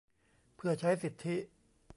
เพื่อใช้สิทธิ